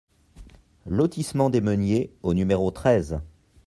Lotissement des Meuniers au numéro treize